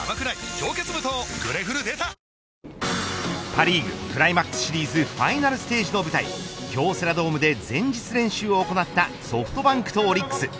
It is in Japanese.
パ・リーグ、クライマックスシリーズＦＩＮＡＬステージの舞台京セラドームで前日練習を行ったソフトバンクとオリックス。